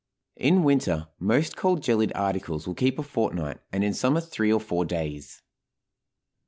In winter most cold jellied articles will keep a fortnight, and in summer three or four days.